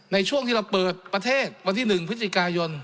ในช่วงที่เราเปิดประเทศวันที่๑พฤศจิกายน